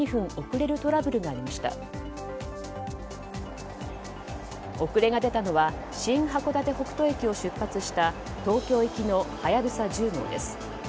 遅れが出たのは新函館北斗駅を出発した東京行きの「はやぶさ１０号」です。